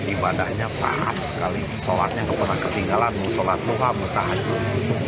ibadahnya paham sekali sholatnya kepada ketinggalan sholat luar muka ajun